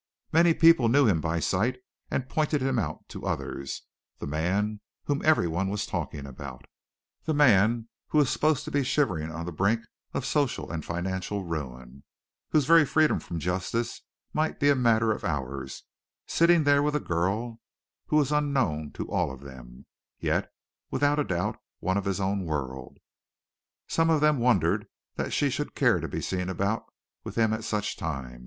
Many people knew him by sight, and pointed him out to others, the man whom everyone was talking about, the man who was supposed to be shivering on the brink of social and financial ruin, whose very freedom from justice might be a matter of hours, sitting there with a girl who was unknown to all of them, yet without a doubt one of his own world! Some of them wondered that she should care to be seen about with him at such a time.